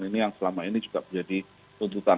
ini yang selama ini juga menjadi tuntutan